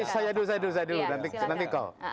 saya dulu saya dulu saya dulu nanti nanti kok